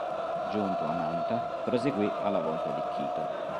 Giunto a Manta, proseguì alla volta di Quito.